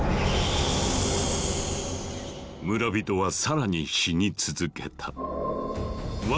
村人は更に死に続けた。